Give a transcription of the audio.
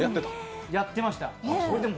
やってました。